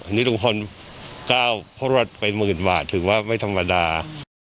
อันนี้ทุกคนก็เอาพ่อรวดไปหมื่นบาทถึงว่าไม่ธรรมดา